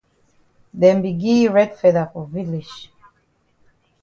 Dem be gi yi red feather for village.